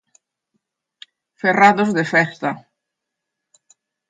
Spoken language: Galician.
Ferrados de festa.